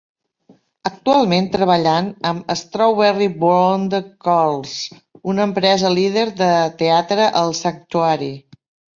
Actualment treballant amb Strawberry Blonde Curls, una empresa líder de Theatre of Sanctuary.